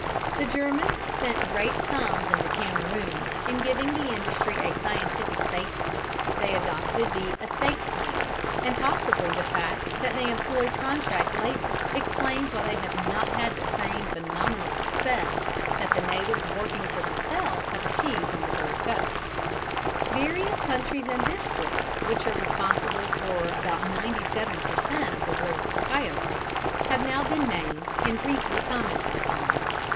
The Germans spent great sums in the Cameroons in giving the industry a scientific basis, they adopted the "estate plan," and possibly the fact that they employ contract labour explains why they have not had the same phenomenal success that the natives working for themselves have achieved on the Gold Coast. [Illustration: BARREL ROLLING, GOLD COAST.] Various countries and districts which are responsible for about 97 per cent. of the world's cacao crop have now been named and briefly commented upon.